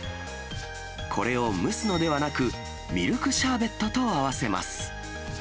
これを蒸すのではなく、ミルクシャーベットと合わせます。